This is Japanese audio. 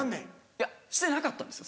いやしてなかったんですよ。